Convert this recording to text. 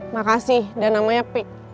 makasih dan namanya pik